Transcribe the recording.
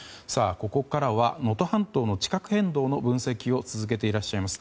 ここからは能登半島の地殻変動の分析を続けていらっしゃいます